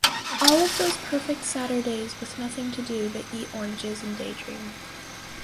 All of those perfect Saturdays with nothing to do but eat oranges and daydream.